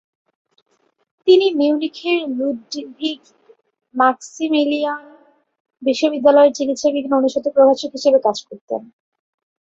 তিনি মিউনিখের লুডভিগ-মাক্সিমিলিয়ান বিশ্ববিদ্যালয়ের চিকিৎসাবিজ্ঞান অনুষদে প্রভাষক হিসেবে কাজ করতেন।